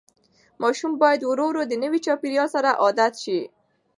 ماشوم باید ورو ورو د نوي چاپېریال سره عادت شي.